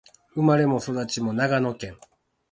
生まれも育ちも長野県